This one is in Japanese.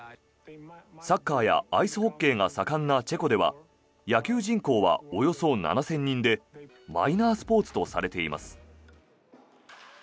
サッカーやアイスホッケーが盛んなチェコでは野球人口はおよそ７０００人でマイナースポーツとされています。